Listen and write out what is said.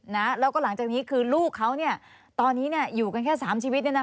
แล้วก็หลังจากนี้คือลูกเขาตอนนี้อยู่กันแค่๓ชีวิต